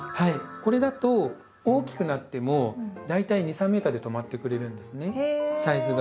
これだと大きくなっても大体２３ｍで止まってくれるんですねサイズが。